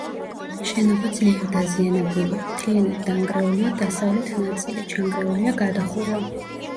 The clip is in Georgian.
შენობა ძლიერ დაზიანებულია: მთლიანად დანგრეულია დასავლეთ ნაწილი, ჩანგრეულია გადახურვა.